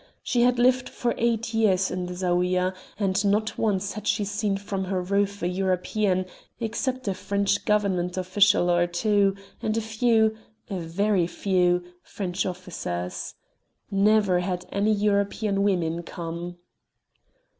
She had lived for eight years in the Zaouïa, and not once had she seen from her roof a European, except a French government official or two, and a few a very few French officers. Never had any European women come.